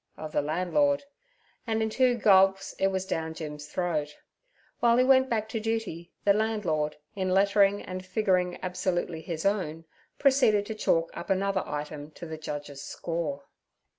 of the landlord, and in two gulps it was down Jim's throat. While he went back to duty, the landlord, in lettering and figuring absolutely his own, proceeded to chalk up another item to the Judge's score.